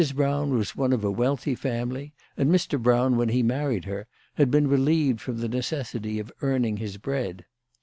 Brown was one of a wealthy family, and Mr. Brown, when he married her, had been relieved from the necessity of earning his bread.